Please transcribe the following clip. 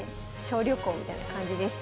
小旅行みたいな感じです。